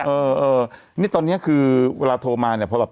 เออเออนี่ตอนนี้คือเวลาโทรมาเนี่ย